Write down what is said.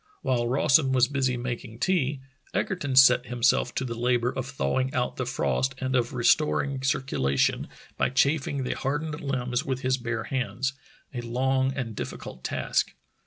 While Rawson was busy making tea, Egerton set him self to the labor of thawing out the frost and of restoring 226 True Tales of Arctic Heroism circulation by chafing the hardened limbs with his bare hands — a long and difficult task.